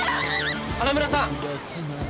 花村さん。